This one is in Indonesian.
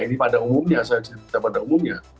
ini pada umumnya